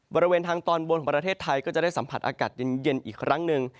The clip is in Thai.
บริเวณทางตอนบนของประเทศไทยก็จะได้สัมผัสอากาศเย็นอีกครั้งหนึ่ง